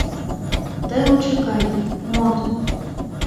Тый лучо кай, мод!